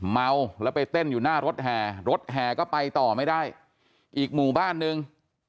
เมาแล้วไปเต้นอยู่หน้ารถแห่รถแห่ก็ไปต่อไม่ได้อีกหมู่บ้านนึง